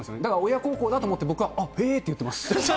親孝行だと思って僕は、へーって言ってます。